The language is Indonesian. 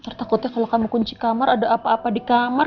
ntar takutnya kalau kamu kunci kamar ada apa apa di kamar